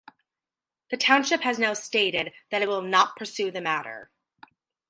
The township has now stated that it will not pursue the matter.